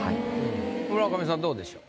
村上さんどうでしょう？